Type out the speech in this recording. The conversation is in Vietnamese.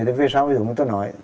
thì về sau như người ta nói